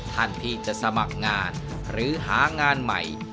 ท่านที่จะสมัครงานหรือหางานใหม่